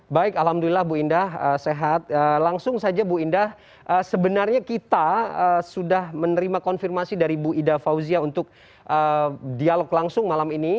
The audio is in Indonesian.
baik alhamdulillah bu indah sehat langsung saja bu indah sebenarnya kita sudah menerima konfirmasi dari bu ida fauzia untuk dialog langsung malam ini